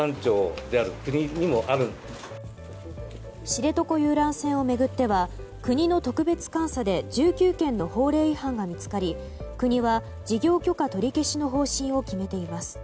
知床遊覧船を巡っては国の特別監査で１９件の法令違反が見つかり国は事業許可取り消しの方針を決めています。